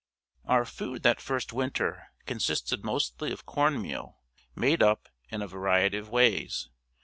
Our food that first winter consisted mostly of corn meal, made up, in a variety of ways.